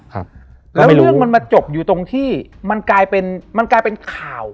แล้วเรื่องมันมาจบอยู่ตรงที่มันกลายเป็นข่าว